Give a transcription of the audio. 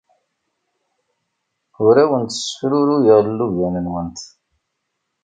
Ur awent-ssefruruyeɣ llubyan-nwent.